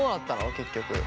結局。